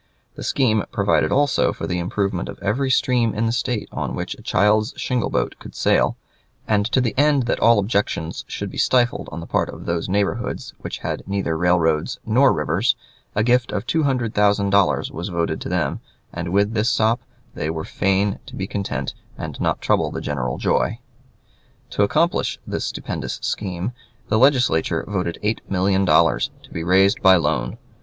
The scheme provided also for the improvement of every stream in the State on which a child's shingle boat could sail; and to the end that all objections should be stifled on the part of those neighborhoods which had neither railroads nor rivers, a gift of two hundred thousand dollars was voted to them, and with this sop they were fain to be content and not trouble the general joy. To accomplish this stupendous scheme, the Legislature voted eight million dollars, to be raised by loan.